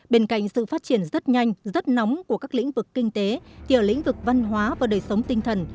bên cạnh sự phát triển rất nhanh rất nóng của các lĩnh vực kinh tế tiểu lĩnh vực văn hóa và đời sống tinh thần